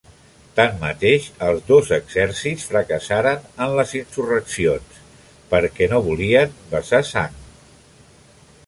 Tanmateix, els dos exèrcits fracassaren en les insurreccions perquè no volien vessar sang.